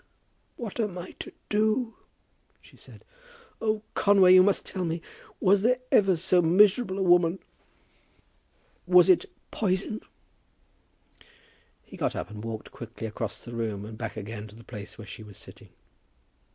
"What am I to do?" she said. "Oh, Conway; you must tell me. Was there ever so miserable a woman! Was it poison?" He got up and walked quickly across the room and back again to the place where she was sitting.